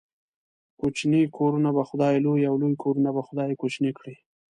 کوچني کورونه به خداى لوى ، او لوى کورونه به خداى کوچني کړي.